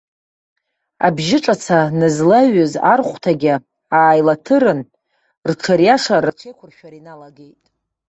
Абжьы ҿаца назлаҩыз архәҭагьы ааилаҭырын, рҽыриашара, рҽеиқәыршәара иналагеит.